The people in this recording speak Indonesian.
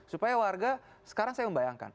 supaya warga sekarang saya membayangkan